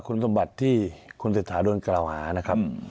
คุณสมบัติที่คุณเศรษฐาโดนกล่าวหานะครับ